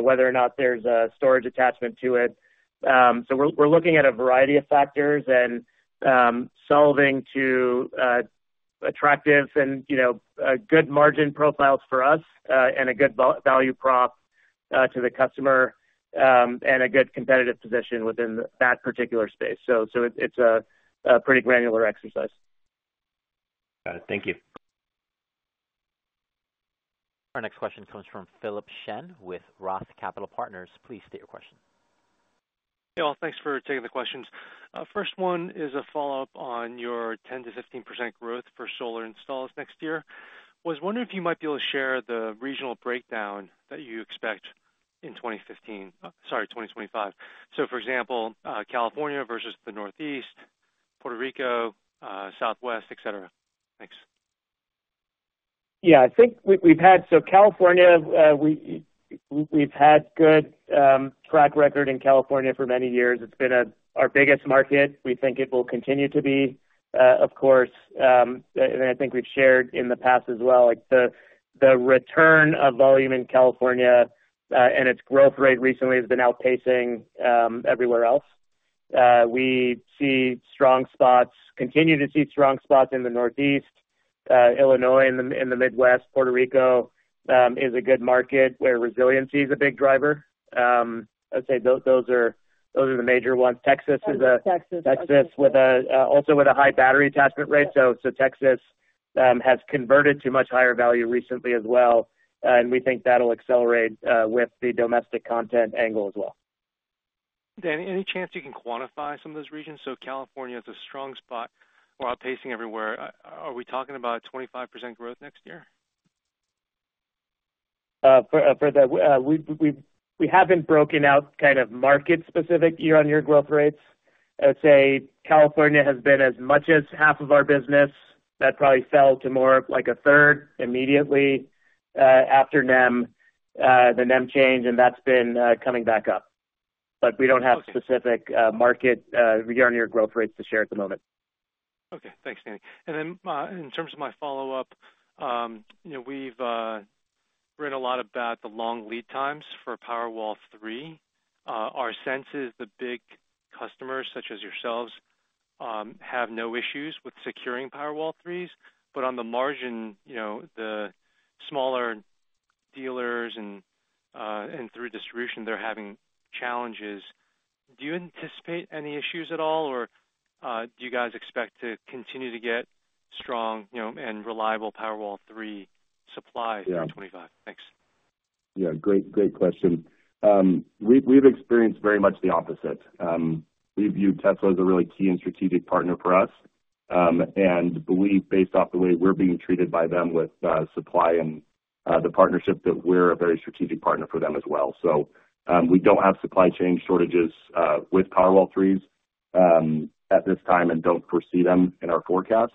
whether or not there's a storage attachment to it. So we're looking at a variety of factors and solving to attractive and good margin profiles for us and a good value prop to the customer and a good competitive position within that particular space. So it's a pretty granular exercise. Got it. Thank you. Our next question comes from Philip Shen with Roth Capital Partners. Please state your question. Hey, all. Thanks for taking the questions. First one is a follow-up on your 10%-15% growth for solar installs next year. I was wondering if you might be able to share the regional breakdown that you expect in 2015, sorry, 2025. So for example, California versus the Northeast, Puerto Rico, Southwest, etc. Thanks. Yeah. I think we've had, so California, we've had good track record in California for many years. It's been our biggest market. We think it will continue to be, of course. And I think we've shared in the past as well. The return of volume in California and its growth rate recently has been outpacing everywhere else. We see strong spots. We continue to see strong spots in the Northeast, Illinois in the Midwest. Puerto Rico is a good market where resiliency is a big driver. I would say those are the major ones. Texas is Texas with a high battery attachment rate. So Texas has converted to much higher value recently as well. And we think that'll accelerate with the domestic content angle as well. Danny, any chance you can quantify some of those regions? So California is a strong spot or outpacing everywhere. Are we talking about 25% growth next year? We haven't broken out kind of market-specific year-on-year growth rates. I would say California has been as much as half of our business. That probably fell to more of like a third immediately after the NEM change, and that's been coming back up. But we don't have specific market year-on-year growth rates to share at the moment. Okay. Thanks, Danny. And then in terms of my follow-up, we've written a lot about the long lead times for Powerwall 3. Our sense is the big customers, such as yourselves, have no issues with securing Powerwall 3s. But on the margin, the smaller dealers and through distribution, they're having challenges. Do you anticipate any issues at all, or do you guys expect to continue to get strong and reliable Powerwall 3 supply in 2025? Thanks. Yeah. Great question. We've experienced very much the opposite. We view Tesla as a really key and strategic partner for us and believe, based off the way we're being treated by them with supply and the partnership, that we're a very strategic partner for them as well. So we don't have supply chain shortages with Powerwall 3s at this time and don't foresee them in our forecast.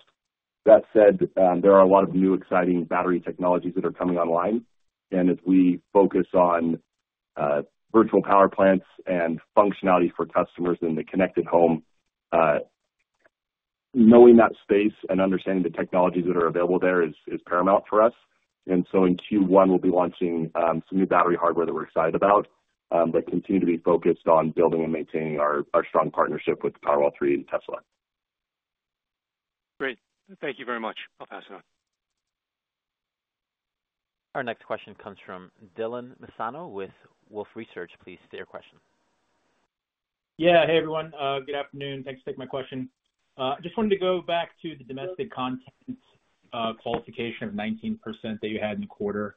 That said, there are a lot of new exciting battery technologies that are coming online. And as we focus on virtual power plants and functionality for customers in the connected home, knowing that space and understanding the technologies that are available there is paramount for us. And so in Q1, we'll be launching some new battery hardware that we're excited about, but continue to be focused on building and maintaining our strong partnership with Powerwall 3 and Tesla. Great. Thank you very much. I'll pass it on. Our next question comes from Dylan Nassano with Wolfe Research. Please state your question. Yeah. Hey, everyone. Good afternoon. Thanks for taking my question. I just wanted to go back to the domestic content qualification of 19% that you had in the quarter.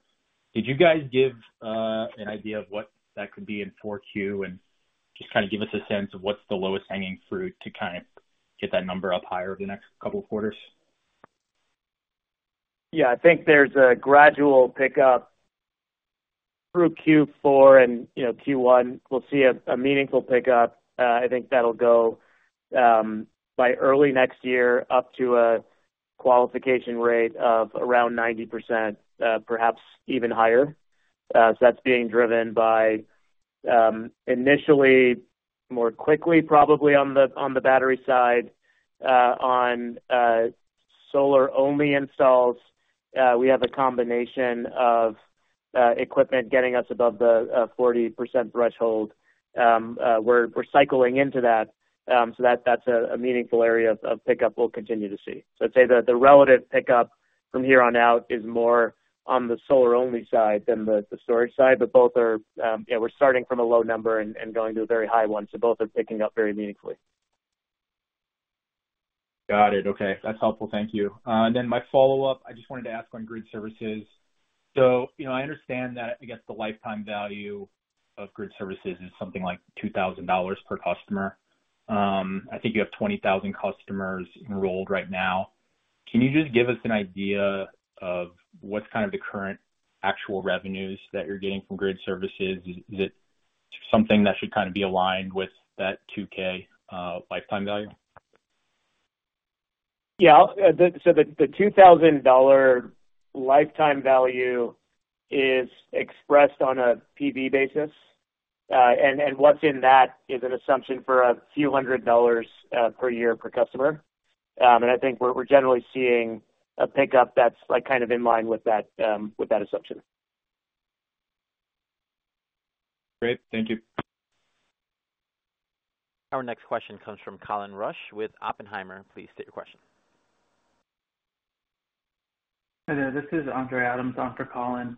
Did you guys give an idea of what that could be in 4Q and just kind of give us a sense of what's the lowest hanging fruit to kind of get that number up higher over the next couple of quarters? Yeah. I think there's a gradual pickup through Q4 and Q1. We'll see a meaningful pickup. I think that'll go by early next year up to a qualification rate of around 90%, perhaps even higher. So that's being driven by initially more quickly, probably on the battery side. On solar-only installs, we have a combination of equipment getting us above the 40% threshold. We're cycling into that. So that's a meaningful area of pickup we'll continue to see. So I'd say the relative pickup from here on out is more on the solar-only side than the storage side. But both are. Yeah, we're starting from a low number and going to a very high one. So both are picking up very meaningfully. Got it. Okay. That's helpful. Thank you. And then my follow-up, I just wanted to ask on grid services. So I understand that, I guess, the lifetime value of grid services is something like $2,000 per customer. I think you have 20,000 customers enrolled right now. Can you just give us an idea of what's kind of the current actual revenues that you're getting from grid services? Is it something that should kind of be aligned with that 2K lifetime value? Yeah. So the $2,000 lifetime value is expressed on a PV basis. And what's in that is an assumption for a few hundred dollars per year per customer. And I think we're generally seeing a pickup that's kind of in line with that assumption. Great. Thank you. Our next question comes from Colin Rusch with Oppenheimer. Please state your question. Hi there. This is Andre Adams on for Colin.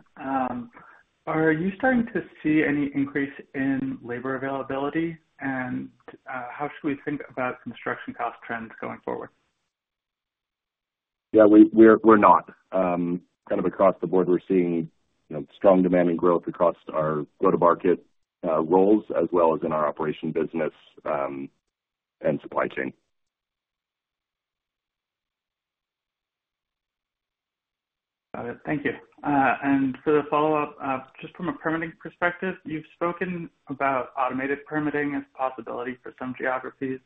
Are you starting to see any increase in labor availability? And how should we think about construction cost trends going forward? Yeah. We're not. Kind of across the board, we're seeing strong demand and growth across our go-to-market roles as well as in our operation business and supply chain. Got it. Thank you. And for the follow-up, just from a permitting perspective, you've spoken about automated permitting as a possibility for some geographies.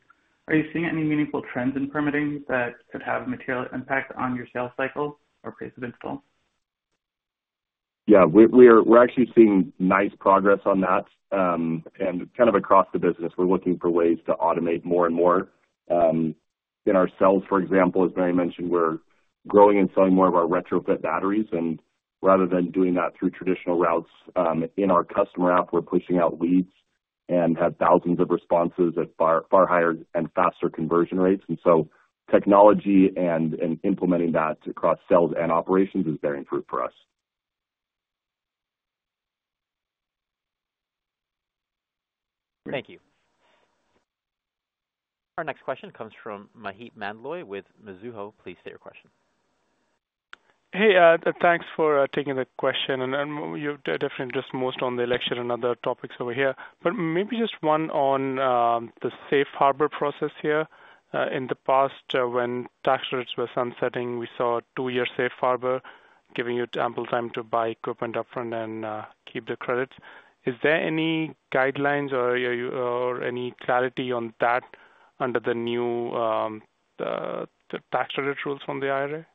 Are you seeing any meaningful trends in permitting that could have a material impact on your sales cycle or pace of install? Yeah. We're actually seeing nice progress on that. And kind of across the business, we're looking for ways to automate more and more. Internally, for example, as Mary mentioned, we're growing and selling more of our retrofit batteries. And rather than doing that through traditional routes in our customer app, we're pushing out leads and have thousands of responses at far higher and faster conversion rates. And so technology and implementing that across sales and operations is bearing fruit for us. Thank you. Our next question comes from Maheep Mandloi with Mizuho. Please state your question. Hey, thanks for taking the question. And you've definitely addressed most on the election and other topics over here. But maybe just one on the safe harbor process here. In the past, when tax rates were sunsetting, we saw a two-year safe harbor, giving you ample time to buy equipment upfront and keep the credits. Is there any guidelines or any clarity on that under the new tax credit rules from the IRA?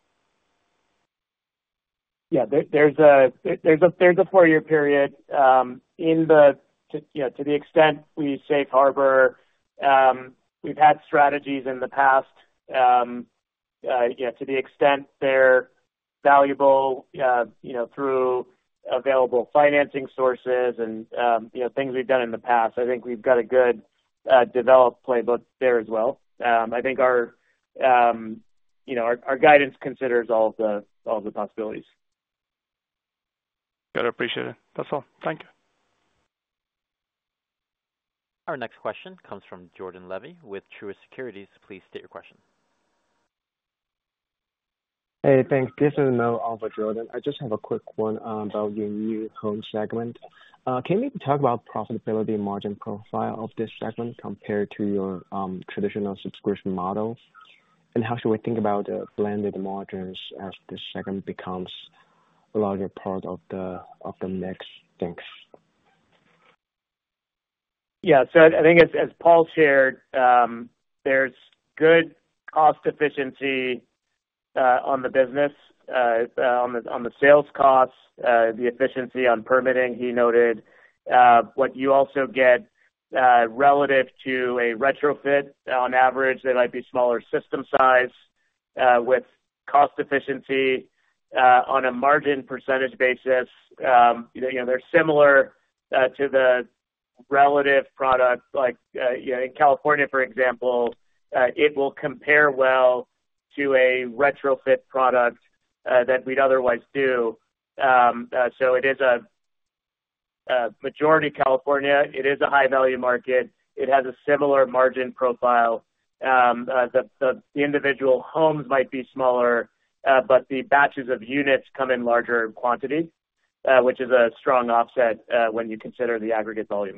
Yeah. There's a four-year period. To the extent we safe harbor, we've had strategies in the past. To the extent they're valuable through available financing sources and things we've done in the past, I think we've got a good developed playbook there as well. I think our guidance considers all of the possibilities. Got it. Appreciate it. That's all. Thank you. Our next question comes from Jordan Levy with Truist Securities. Please state your question. Hey, thanks. This is Noah on for Jordan. I just have a quick one about your new home segment. Can you talk about profitability margin profile of this segment compared to your traditional subscription model? And how should we think about blended margins as this segment becomes a larger part of the mix? Thanks. Yeah. I think, as Paul shared, there's good cost efficiency on the business, on the sales costs, the efficiency on permitting he noted. What you also get relative to a retrofit, on average, there might be smaller system size with cost efficiency on a margin percentage basis. They're similar to the relative product. In California, for example, it will compare well to a retrofit product that we'd otherwise do. It is a majority California. It is a high-value market. It has a similar margin profile. The individual homes might be smaller, but the batches of units come in larger quantity, which is a strong offset when you consider the aggregate value.